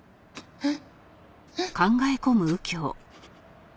えっ？